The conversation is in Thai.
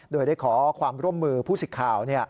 โดยได้ขอความร่วมมือผู้สิทธิ์ข่าว